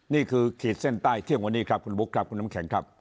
ขีดเส้นใต้เที่ยงวันนี้ครับคุณบุ๊คครับคุณน้ำแข็งครับ